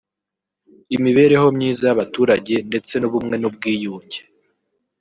imibereho myiza y’abaturage ndetse n’ubumwe n’ubwiyunge